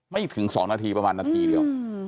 ไม่ถึง๒นาทีประมาณนาทีเดียว